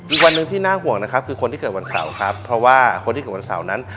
อีกวันหนึ่งที่น่าห่วงนะครับคือคนที่เกิดวันเสาร์ครับเพราะว่าคนที่เกิดวันเสาร์นั้น